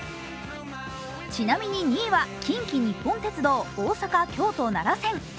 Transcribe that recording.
ちなみに２位は近畿日本鉄道の大阪・京都・奈良線。